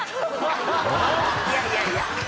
いやいやいや。